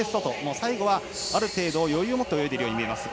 最後はある程度余裕を持って泳いでいるように見えます。